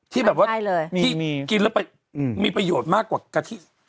ที่แบบว่าที่กินแล้วไปมีประโยชน์มากกว่ากะทิ